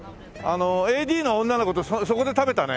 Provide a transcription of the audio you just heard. ＡＤの女の子とそこで食べたね。